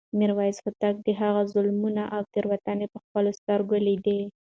میرویس هوتک د هغه ظلمونه او تېروتنې په خپلو سترګو لیدې.